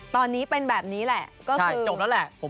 ตอนนี้เป็นแบบนี้แหละ